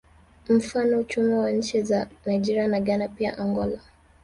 Mfano uchumi wa nchi za Nigeria na Ghana pia Angola